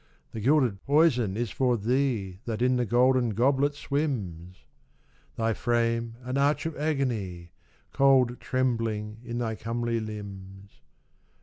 The gilded poison is for thee That in the golden goblet swims ! Thy frame an arch of agony. Cold trembling in thy comely limbs.